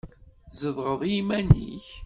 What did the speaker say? Tzedɣeḍ i yiman-nnek?